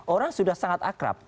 orang sudah sangat akrab